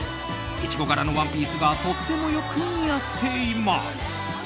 イチゴ柄のワンピースがとってもよく似合っています。